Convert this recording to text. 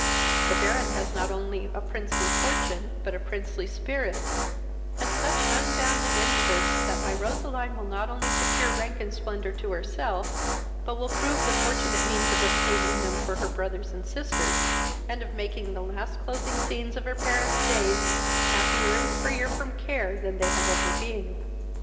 The Baron has not only a princely fortune, but a princely spirit, and such unbounded interest, that my Roseline will not only secure rank and splendor to herself, but will prove the fortunate means of obtaining them for her brothers and sisters, and of making the last closing scenes of her parents' days happier and freer from care than they have ever been."